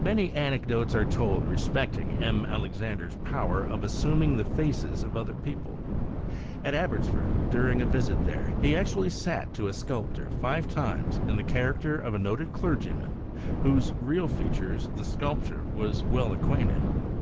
Many anecdotes are told respecting M. Alexandre's power of assuming the faces of other people. At Abbotsford, during a visit there, he actually sat to a sculptor five times in the charac ter of a noted clergyman, with whose real features the sculptor was well acquainted.